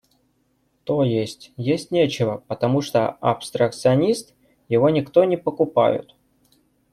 То есть, есть нечего, потому что – абстракционист, его никто не покупают.